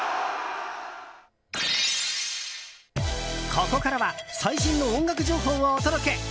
ここからは最新の音楽情報をお届け。